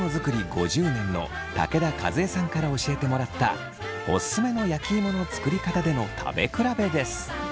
５０年の武田和江さんから教えてもらったオススメの焼き芋の作りかたでの食べ比べです。